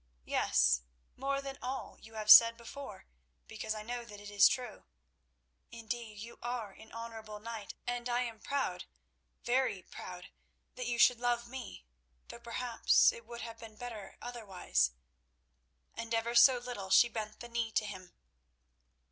"Yes; more than for all you have said before, because I know that it is true. Indeed, you are an honourable knight, and I am proud—very proud—that you should love me, though perhaps it would have been better otherwise." And ever so little she bent the knee to him.